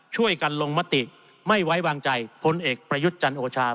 ช่วยกันลงมติไม่ไว้วางใจพลเอกประยุทธ์จันโอชา